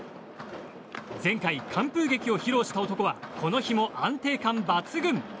前回、完封劇を披露した男はこの日も安定感抜群。